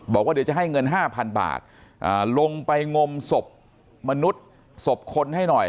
บอกว่าเดี๋ยวจะให้เงิน๕๐๐๐บาทลงไปงมศพมนุษย์ศพคนให้หน่อย